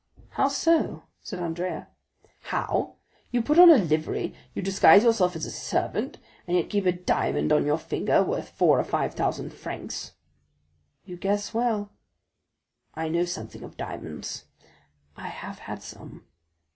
"How so?" said Andrea. "How? You put on a livery, you disguise yourself as a servant, and yet keep a diamond on your finger worth four or five thousand francs." "You guess well." "I know something of diamonds; I have had some."